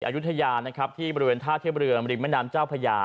อยุธยานะครับที่บริเวณท่าเที่ยวเรือบริมนามเจ้าพระยา